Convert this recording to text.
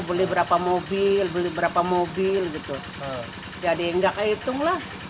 beli berapa mobil beli berapa mobil gitu jadi nggak kehitung lah